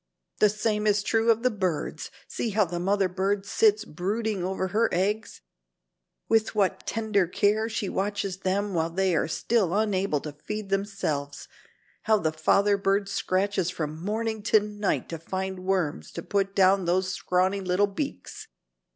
The same is true of the birds. See how the mother bird sits brooding over her eggs. With what tender care she watches them while they are still unable to feed themselves. How the father bird scratches from morning to night to find worms to put down those scrawny little beaks.